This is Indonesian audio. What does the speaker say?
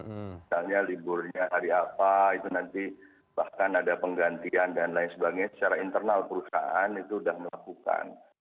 misalnya liburnya hari apa itu nanti bahkan ada penggantian dan lain sebagainya secara internal perusahaan itu sudah melakukan